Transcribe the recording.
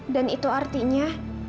dan itu artinya